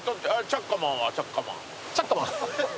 チャッカマン？